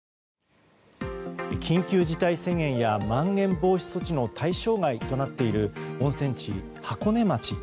緊急事態宣言やまん延防止措置の対象外となっている温泉地・箱根町。